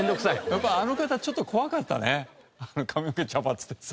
やっぱあの方ちょっと怖かったね髪の毛茶髪でさ。